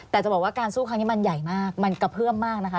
แต่จะบอกว่าการสู้ครั้งนี้มันใหญ่มากมันกระเพื่อมมากนะคะ